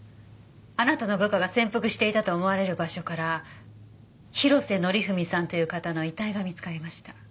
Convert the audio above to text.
あなたの部下が潜伏していたと思われる場所から広瀬則文さんという方の遺体が見つかりました。